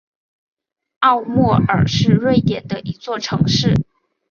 奥莫尔是瑞典的一座城市。